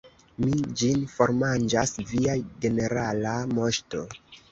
Mi ĝin formanĝas, Via Generala Moŝto.